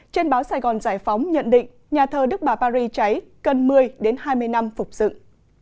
trên báo sài gòn giải phóng nhận định nhà thờ đức bà paris cháy cần một mươi hai mươi năm phục dựng